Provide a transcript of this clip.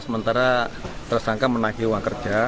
sementara tersangka menagih uang kerja